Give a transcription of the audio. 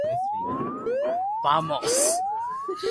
La calidad de las planchas fluctúa mucho por esta razón.